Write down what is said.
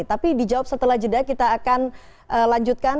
tapi dijawab setelah jeda kita akan lanjutkan